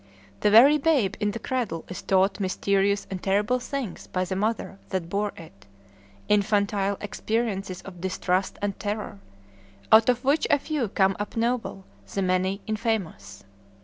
The very babe in the cradle is taught mysterious and terrible things by the mother that bore it, infantile experiences of distrust and terror, out of which a few come up noble, the many infamous.